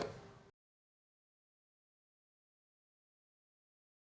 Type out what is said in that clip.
dalam prosesnya khusus bagi anak muda